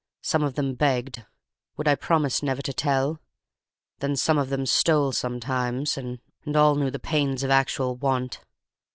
Some of them begged—would I promise never to tell? Then some of them stole—sometimes—and all knew the pains of actual want.